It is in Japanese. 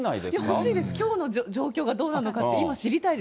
欲しいです、きょうの状況がどうなのかって、今知りたいです